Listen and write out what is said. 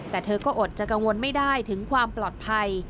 แต่เธอก็อดจะกังวลไม่ได้ถึงความปลอดภัย